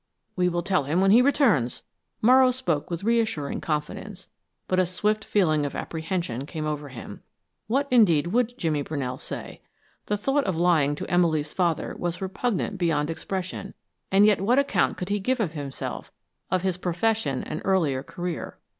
"We will tell him when he returns." Morrow spoke with reassuring confidence, but a swift feeling of apprehension came over him. What indeed would Jimmy Brunell say? The thought of lying to Emily's father was repugnant beyond expression, and yet what account could he give of himself, of his profession and earlier career?